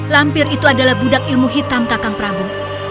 lampir itu adalah budak ilmu hitam kakang prabu